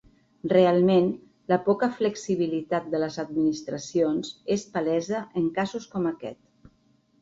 Realment, la poca flexibilitat de les administracions es palesa en casos com aquest.